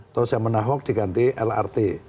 terus yang menahok diganti lrt